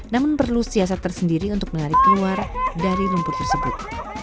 namun perlu siasat tersendiri untuk menarik keluar dari lumpur tersebut